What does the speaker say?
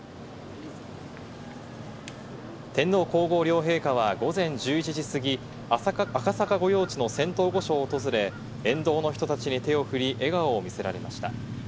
天皇皇后両陛下は午前１１時過ぎ、赤坂御用地の仙洞御所を訪れ、沿道の人たちに手をふり笑顔を見せられました。